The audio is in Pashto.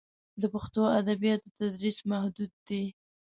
د پښتو ادبیاتو تدریس محدود دی.